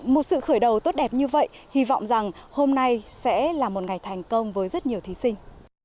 một sự khởi đầu tốt đẹp như vậy hy vọng rằng hôm nay sẽ là một ngày thành công với rất nhiều thí sinh